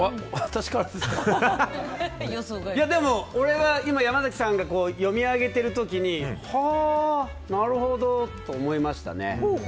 でも、山崎さんが読み上げてる時にはあなるほどと思いましたね。